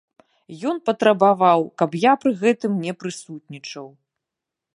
Ён патрабаваў, каб я пры гэтым не прысутнічаў.